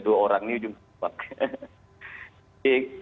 dua orang ini ujung tombak